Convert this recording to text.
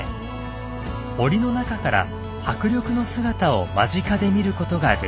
おりの中から迫力の姿を間近で見ることができるのです。